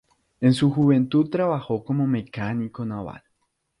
En su juventud trabajó como mecánico naval.